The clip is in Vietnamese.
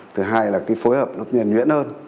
thứ hai là cái phối hợp nó nguyên nguyễn hơn